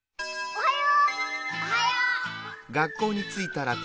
おはよう。